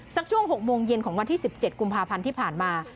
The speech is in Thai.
ช่วง๖โมงเย็นของวันที่๑๗กุมภาพันธ์ที่ผ่านมา